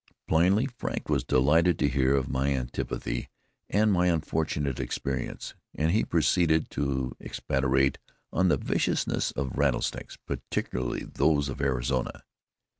Plainly, Frank was delighted to hear of my antipathy and my unfortunate experience, and he proceeded to expatiate on the viciousness of rattlesnakes, particularly those of Arizona.